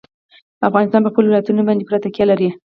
افغانستان په خپلو ولایتونو باندې پوره تکیه لري.